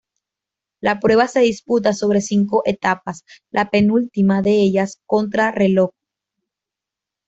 La prueba se disputaba sobre cinco etapas, la penúltima de ellas contrarreloj.